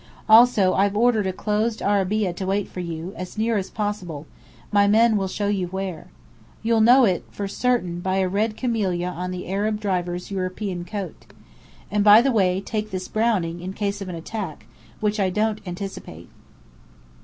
Also I've ordered a closed arabeah to wait for you, as near as possible my men will show you where. You'll know it for certain by a red camellia on the Arab driver's European coat. And by the way, take this Browning, in case of an attack; which I don't anticipate."